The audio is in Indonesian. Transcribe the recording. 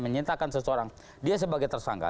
menyintakan seseorang dia sebagai tersangka